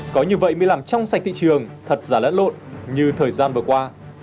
có như vậy mới làm trong sạch thị trường thật giả lẫn lộn như thời gian vừa qua